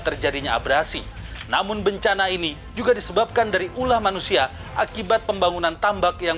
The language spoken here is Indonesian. terjadinya abrasi namun bencana ini juga disebabkan dari ulah manusia akibat pembangunan tambak yang